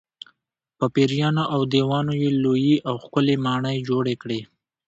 په پېریانو او دیوانو یې لویې او ښکلې ماڼۍ جوړې کړې.